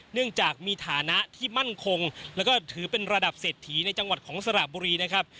เนื่องจากมีฐานะที่มั่นคงแล้วก็ถือเป็นระดับเศรษฐีในจังหวัดของสระบุรีนะครับ